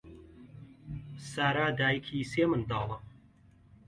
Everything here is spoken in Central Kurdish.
سارا دایکی سێ منداڵە.